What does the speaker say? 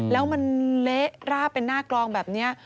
แล้วมันเละราบเป็นหน้ากลองแบบนี้